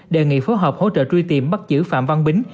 đề nghị phối hợp hỗ trợ truy tìm bắt giữ phạm văn bính